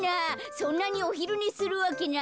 そんなにおひるねするわけないじゃない。